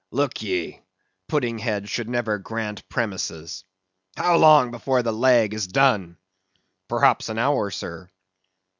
Look ye, pudding heads should never grant premises.—How long before the leg is done? Perhaps an hour, sir.